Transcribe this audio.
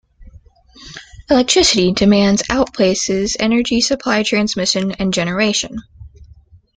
Electricity demand outpaces energy supply transmission and generation.